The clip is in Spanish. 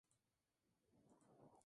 Fuentes eran, en ese momento, legales.